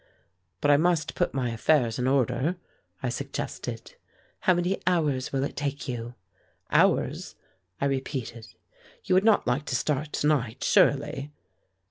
"But I must put my affairs in order," I suggested. "How many hours will it take you?" "Hours?" I repeated. "You would not like to start to night, surely?"